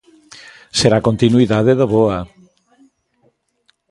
Será continuidade da boa.